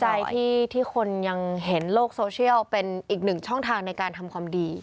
ใจที่คนยังเห็นโลกโซเชียลเป็นอีกหนึ่งช่องทางในการทำความดี